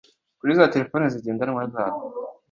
kuri za telefone zigendanwa zabo.